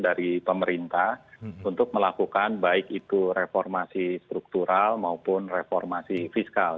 karena kita sudah melakukan banyak perubahan dari pemerintah untuk melakukan baik itu reformasi struktural maupun reformasi fiskal